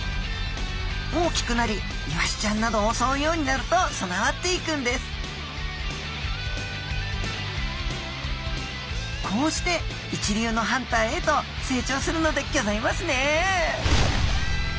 大きくなりイワシちゃんなどをおそうようになると備わっていくんですこうして一流のハンターへと成長するのでギョざいますね！